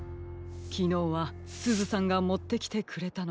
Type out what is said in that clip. きのうはすずさんがもってきてくれたのに。